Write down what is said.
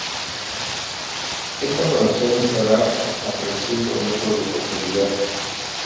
Esta conexión estará a trescientos metros de profundidad.